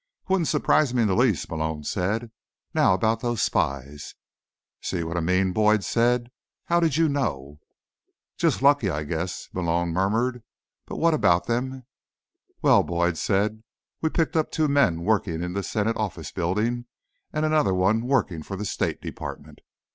"Wouldn't surprise me in the least," Malone said. "Now, about those spies—" "See what I mean?" Boyd said. "How did you know?" "Just lucky, I guess," Malone murmured. "But what about them?" "Well," Boyd said, "we picked up two men working in the Senate Office Building, and another one working for the State Department."